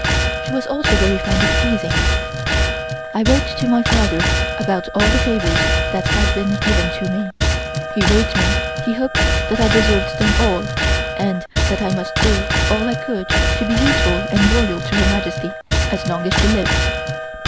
She was also very fond of teasing. I wrote to my father about all the favors that had been given to me. He wrote me he hoped that I deserved them all, and that I must do all I could to be useful and loyal to Her Majesty as long as she lived.